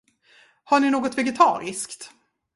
Har ni något vegetariskt?